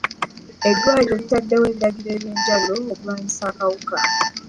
Eddwaliro litaddewo ebiragiro eby'enjawulo okulwanyisa akawuka.